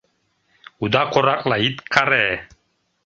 Уда коракла ит каре!